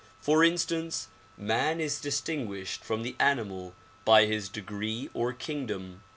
For instance, man is distinguished from the animal by his degree or kingdom.